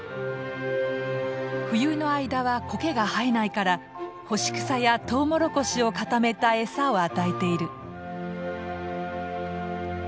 冬の間はコケが生えないから干し草やトウモロコシを固めたエサを与えている。